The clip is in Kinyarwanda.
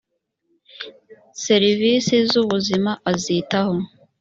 serivisi z’ ubuzima azitaho.